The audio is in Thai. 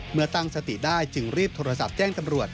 เมื่อตั้งสติได้จึงรีบโทรศัพท์แจ้งตำรวจ